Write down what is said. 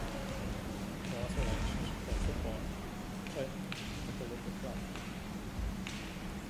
He also liked to play association football at the local club.